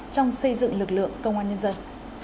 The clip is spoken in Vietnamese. trong xây dựng lực lượng công an nhân dân